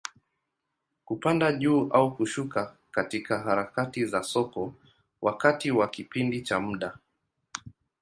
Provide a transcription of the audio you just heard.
Kupanda juu au kushuka katika harakati za soko, wakati wa kipindi cha muda.